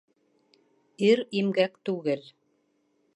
Ир имгәк түгел.